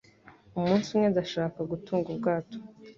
Umunsi umwe, ndashaka gutunga ubwato.